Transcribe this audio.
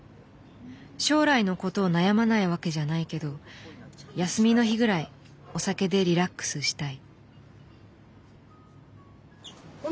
将来のことを悩まないわけじゃないけど休みの日ぐらいお酒でリラックスしたい。